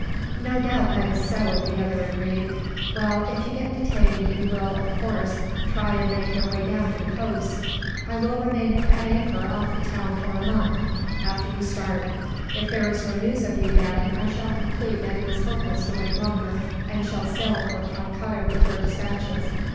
"No doubt that is so," the other agreed. "Well, if you get detained you will, of course, try and make your way down to the coast. I will remain at anchor off the town for a month, after you start. If there is no news of you, then, I shall conclude that it is hopeless to wait longer, and shall sail for Calcutta with your despatches.